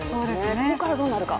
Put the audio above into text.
ここからどうなるか。